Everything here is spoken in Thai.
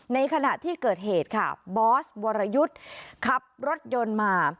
ในขณะที่เกิดเหตุค่ะบอสวรยุทธ์ขับรถยนต์มา